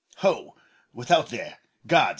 Ho, without there, guards!